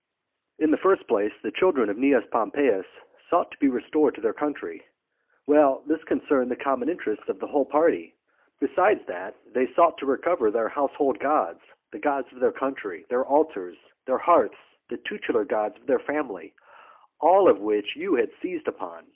In the first place, the children of Cnaeus Pompeius sought to be restored to their country. Well, this concerned the common interests of the whole party. Besides that, they sought to recover their household gods, the gods of their country, their altars, their hearths, the tutelar gods of their family; all of which you had seized upon.